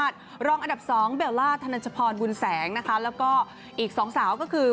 ธนชพรบุญแสงนะคะแล้วก็อีกสองสาวก็คือ